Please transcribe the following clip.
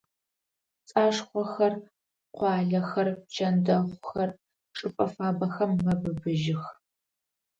Пцӏашхъохэр, къуалэхэр, пчэндэхъухэр чӏыпӏэ фабэхэм мэбыбыжьых.